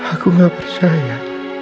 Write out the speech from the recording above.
aku gak percaya